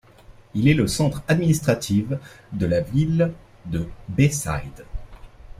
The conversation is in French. Il est le centre administratif de la Ville de Bayside.